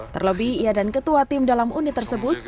terlebih ia dan ketua tim dalam unit tersebut